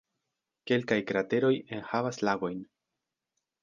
Kelkaj krateroj enhavas lagojn.